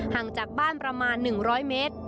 ห่างจากบ้านประมาณ๑๐๐เมตร